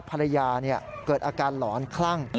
ภรรยาเกิดอาการหลอนคลั่ง